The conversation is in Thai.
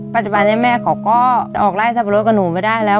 ปัจจุบันนี้แม่เขาก็ออกไล่สับปะรดกับหนูไม่ได้แล้ว